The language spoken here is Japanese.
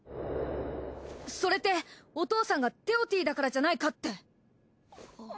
それってお父さんがテオティだからじゃないかって。